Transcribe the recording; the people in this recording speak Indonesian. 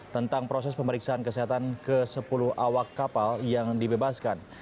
tentang proses pemeriksaan kesehatan ke sepuluh awak kapal yang dibebaskan